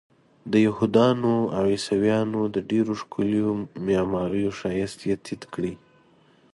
د یهودانو او عیسویانو د ډېرو ښکلیو معماریو ښایست یې تت کړی.